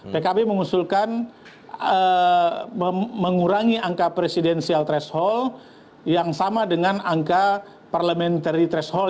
pkb mengusulkan mengurangi angka presidensial threshold yang sama dengan angka parliamentary threshold